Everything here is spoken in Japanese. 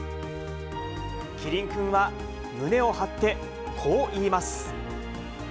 キリンくんは、胸を張ってこう言います。